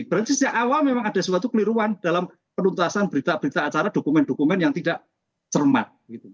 berarti sejak awal memang ada suatu keliruan dalam penuntasan berita berita acara dokumen dokumen yang tidak cermat